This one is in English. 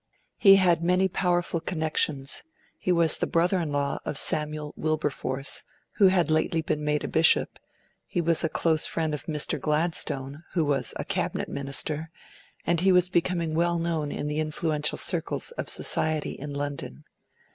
He had many powerful connections: he was the brother in law of Samuel Wilberforce, who had been lately made a bishop; he was a close friend of Mr. Gladstone, who was a Cabinet Minister; and he was becoming well known in the influential circles of society in London.